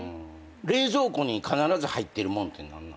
冷蔵庫に必ず入ってるもんって何なの？